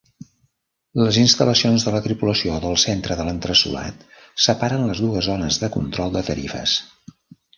Les instal·lacions de la tripulació del centre de l'entresolat separen les dues zones de control de tarifes.